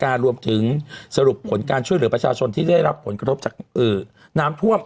รวมถึงสรุปผลการช่วยเหลือประชาชนที่ได้รับผลกระทบจากน้ำท่วม